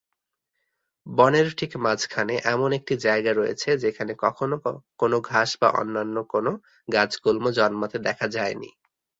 বনের ঠিক মাঝখানে এমন একটি জায়গা রয়েছে, যেখানে কখনো কোনো ঘাস বা অন্যান্য কোনো গাছ-গুল্ম জন্মাতে দেখা যায়নি।